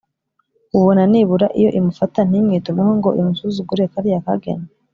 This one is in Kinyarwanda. ubona nibura iyo imufata ntimwitumeho ngo imusuzugure kariya kageni!”